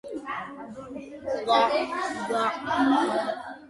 გოგონების რეპერტუარი მრავალფეროვანია.